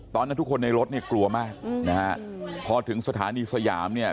ตอนนั้นทุกคนในรถเนี่ยกลัวมากนะฮะพอถึงสถานีสยามเนี่ย